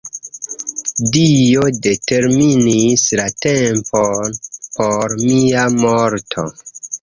Dio determinis la tempon por mia morto.